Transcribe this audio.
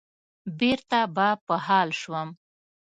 بېرته به په حال شوم.